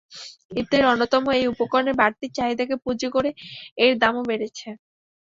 ইফতারির অন্যতম এই উপকরণের বাড়তি চাহিদাকে পুঁজি করে এর দামও বেড়েছে।